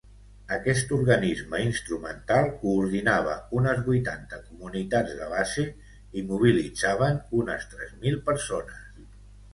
Aquest organisme instrumental coordinava unes vuitanta comunitats de base i mobilitzaven unes tres mil persones.